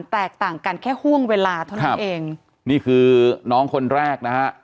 แตกต่างกันแค่ห่วงเวลาเท่านั้นเองนี่คือน้องคนแรกนะฮะ